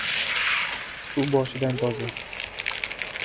• Suv boshidan toza.